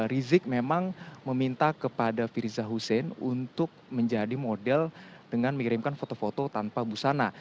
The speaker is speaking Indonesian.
rizik memang meminta kepada firza husein untuk menjadi model dengan mengirimkan foto foto tanpa busana